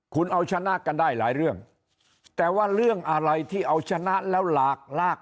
คุณเอาชนะกันได้หลายเรื่องแต่ว่าเรื่องอะไรที่เอาชนะแล้วหลากลาก